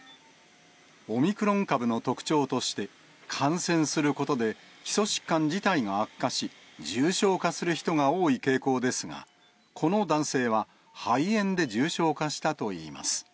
オミクロン株の特徴として、感染することで基礎疾患自体が悪化し、重症化する人が多い傾向ですが、この男性は肺炎で重症化したといいます。